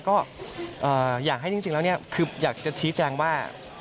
ก็อยากให้จริงแล้วคืออยากจะชี้แจงว่า